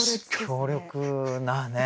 強力なね。